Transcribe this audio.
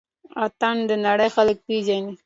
اتڼ د نړۍ خلک پيژني